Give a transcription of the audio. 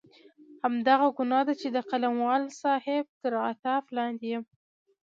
همدغه ګناه ده چې د قلموال صاحب تر عتاب لاندې یم.